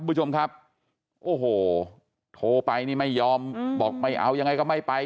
ผู้ชมครับโอ้โหโทรไปนี่ไม่ยอมบอกไม่เอายังไงก็ไม่ไป